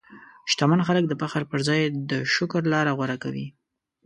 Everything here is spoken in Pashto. شتمن خلک د فخر پر ځای د شکر لاره غوره کوي.